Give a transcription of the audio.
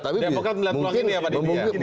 demokrat melihat peluang ini ya pak didi